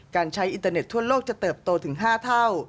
การใช้อินเทอร์เน็ตทั่วโลกจะเติบโตถึง๕เท่า